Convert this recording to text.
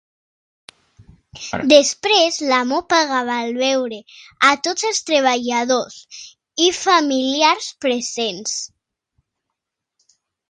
Després, l'amo pagava el beure a tots els treballadors i familiars presents.